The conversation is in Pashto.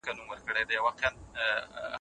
که زده کوونکی ډېر تمرین وکړي خط یې سمېږي.